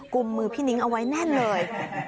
ุมมือพี่นิ้งเอาไว้แน่นเลย